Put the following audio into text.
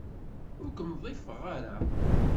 Ur kem-ḍḍifeɣ ara.